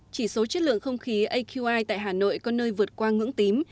chỉ số chất lượng không khí aqi tại hà nội có nơi vượt qua ngưỡng tím